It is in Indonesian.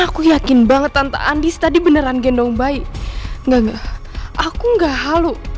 aku bener bener gak tega